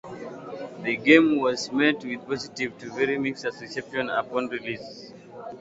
The game was met with positive to very mixed reception upon release.